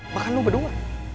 bahkan lu berdua